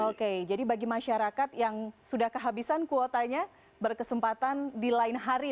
oke jadi bagi masyarakat yang sudah kehabisan kuotanya berkesempatan di lain hari